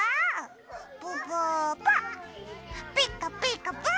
「ピカピカブ！」